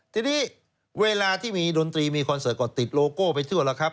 ทีนี้เวลาที่มีดนตรีมีคอนเสิร์ตก็ติดโลโก้ไปทั่วแล้วครับ